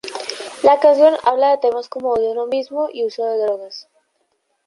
La canción habla de temas como odio a uno mismo y uso de drogas.